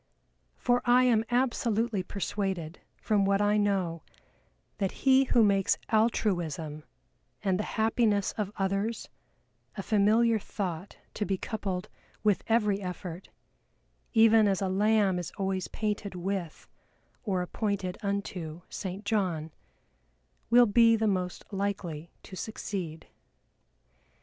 For I am absolutely persuaded from what I know, that he who makes Altruism and the happiness of others a familiar thought to be coupled with every effort (even as a lamb is always painted with, or appointed unto, St. John), will be the most likely to succeed.